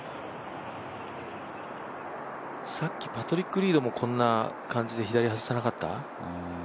さっきパトリック・リードもこんな感じで左、外さなかった？